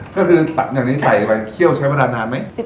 ก็คือตัดอย่างนี้ใส่ไว้เคี่ยวใช้มานานนานไหม